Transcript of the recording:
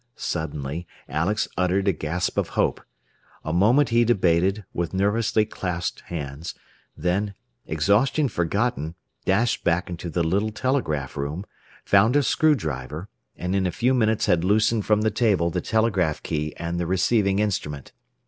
Suddenly Alex uttered a gasp of hope. A moment he debated, with nervously clasped hands, then, exhaustion forgotten, dashed back into the little telegraph room, found a screw driver, and in a few minutes had loosened from the table the telegraph key and the receiving instrument.